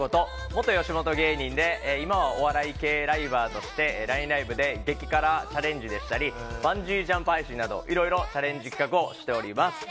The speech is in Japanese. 元吉本芸人で今はお笑い系ライバーとしてＬＩＮＥＬＩＶＥで激辛チャレンジでしたりバンジージャンプ配信などいろいろチャレンジ企画配信をしております。